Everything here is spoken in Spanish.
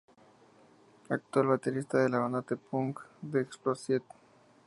Actual baterista de la banda de punk The Exploited.